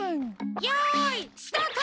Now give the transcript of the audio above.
よいスタート！